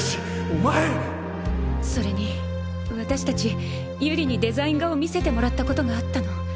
お前それに私たちゆりにデザイン画を見せてもらったことがあったの。